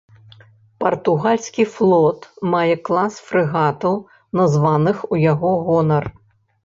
Партугальскі флот мае клас фрэгатаў, названых у яго гонар.